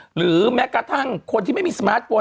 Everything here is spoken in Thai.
หรือแม้กระทั่งคนที่ไม่มีสมาร์ทโฟน